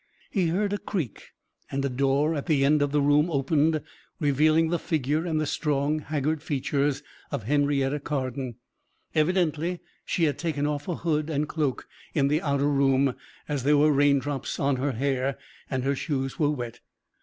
He heard a creak, and a door at the end of the room opened, revealing the figure and the strong, haggard features of Henrietta Carden. Evidently she had taken off a hood and cloak in an outer room, as there were rain drops on her hair and her shoes were wet.